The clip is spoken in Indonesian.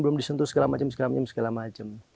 belum disentuh segala macam macam